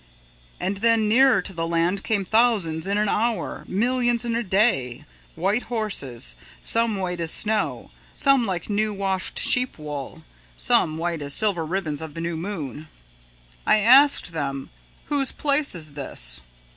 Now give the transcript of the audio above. "And then nearer to the land came thousands in an hour, millions in a day, white horses, some white as snow, some like new washed sheep wool, some white as silver ribbons of the new moon. "I asked them, 'Whose place is this?'